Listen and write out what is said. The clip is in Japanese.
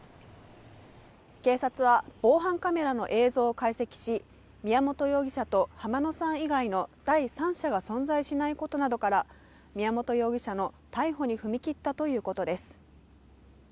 警察は防犯カメラの映像を解析し宮本容疑者と浜野さん以外の第三者が存在しないことなどから宮本容疑者の逮捕に踏み切ったということです。